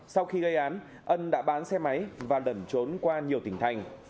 sau khi gây án ân đã bán xe máy và lẩn trốn qua nhiều tỉnh thành